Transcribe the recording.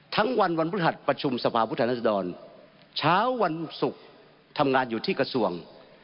ทั้งวันวันพฤหัสประชุมสภาพุทธรัศดรเช้าวันศุกร์ทำงานอยู่ที่กระทรวง